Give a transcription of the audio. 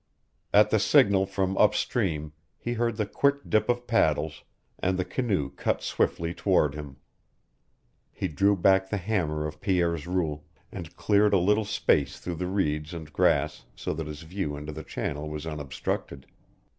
At the signal from up stream he heard the quick dip of paddles, and the canoe cut swiftly toward him. He drew back the hammer of Pierre's rule, and cleared a little space through the reeds and grass so that his view into the channel was unobstructed.